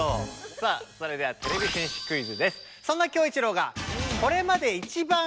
さあそれではてれび戦士クイズです。